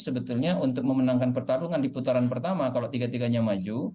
sebetulnya untuk memenangkan pertarungan di putaran pertama kalau tiga tiganya maju